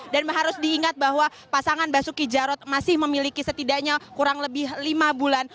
dan harus diingat bahwa pasangan basuki jarot masih memiliki setidaknya kurang lebih lima bulan